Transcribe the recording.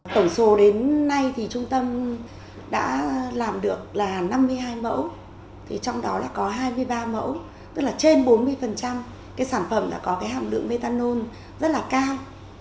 tổng số đến nay thì trung tâm đã làm được là năm mươi hai mẫu trong đó là có hai mươi ba mẫu tức là trên bốn mươi sản phẩm đã có hàm lượng metanol rất là cao